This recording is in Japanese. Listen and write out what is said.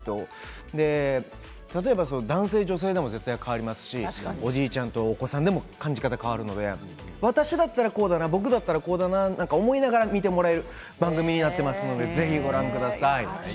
ふだんやっぱり接することがなかなか難しい人例えば男性、女性でも変わりますしおじいちゃんとお子さんでも感じ方が変わるので私だったらこうだったな僕だったらこうだなと思いながら見てもらえる番組になっていますので、ぜひご覧ください。